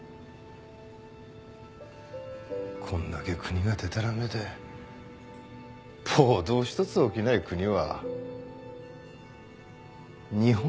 こんだけ国がでたらめで暴動ひとつ起きない国は日本だけだ。